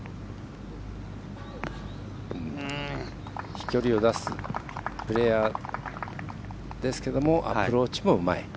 飛距離を出すプレーヤーですけれどもアプローチもうまい。